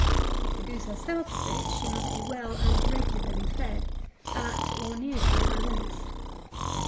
If the goose herself sit, she must be well and regularly fed, at, or near to, her nest.